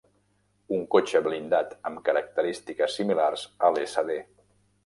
Un cotxe blindat amb característiques similars a l'Sd.